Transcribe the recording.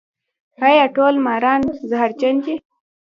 ایا ټول ماران زهرجن دي؟